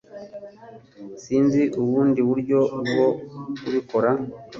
Sinzi ubundi buryo bwo kubikora